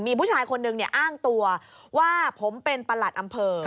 มีผู้ชายคนนึงอ้างตัวว่าผมเป็นประหลัดอำเภอ